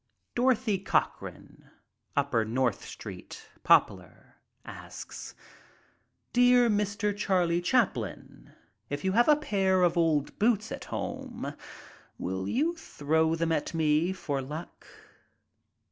Dorothy Cochrane, Upper North Street, Poplar, asks: "Dear Mr. Charlie Chaplin, if you have a pair of old boots at home will you throw them at me for luck?"